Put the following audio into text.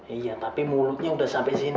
iya tapi mulutnya sudah sampai sini